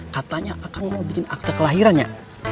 katanya kamu mau bikin akte kelahirannya